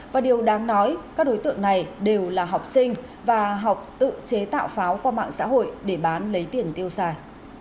và điều đáng nói các đối tượng này đều là học sinh và học tự chế tạo pháo qua mạng xã hội để bán lấy tiền tiêu xài